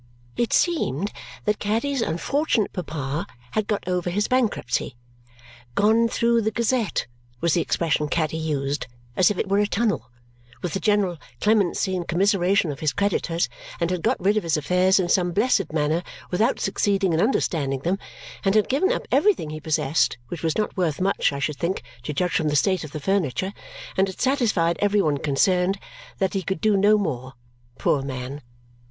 It seemed that Caddy's unfortunate papa had got over his bankruptcy "gone through the Gazette," was the expression Caddy used, as if it were a tunnel with the general clemency and commiseration of his creditors, and had got rid of his affairs in some blessed manner without succeeding in understanding them, and had given up everything he possessed (which was not worth much, I should think, to judge from the state of the furniture), and had satisfied every one concerned that he could do no more, poor man.